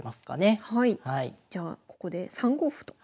じゃあここで３五歩と。